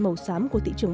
màu xám của thị trường